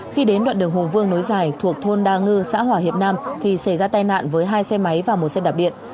khi đến đoạn đường hồ vương nối dài thuộc thôn đa ngư xã hòa hiệp nam thì xảy ra tai nạn với hai xe máy và một xe đạp điện